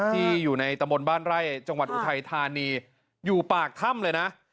ที่อยู่ในตะบนบ้านไร่จังหวัดอุทัยธานีอยู่ปากถ้ำเลยนะ